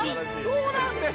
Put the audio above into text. そうなんです。